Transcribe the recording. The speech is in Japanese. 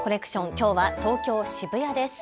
きょうは東京渋谷です。